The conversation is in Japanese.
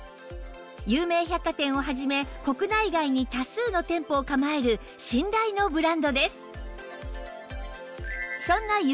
有名百貨店を始め国内外に多数の店舗を構える信頼のブランドです